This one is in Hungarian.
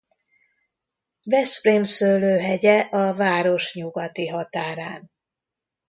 Veszprém szőlőhegye a város nyugati határán.